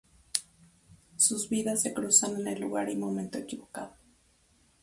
Sus vidas se cruzan en el lugar y momento equivocado.